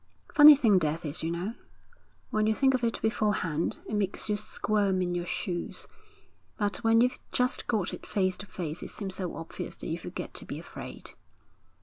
'Funny thing death is, you know! When you think of it beforehand, it makes you squirm in your shoes, but when you've just got it face to face it seems so obvious that you forget to be afraid.'